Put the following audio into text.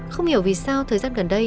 không hiểu vì sao thời gian gần đây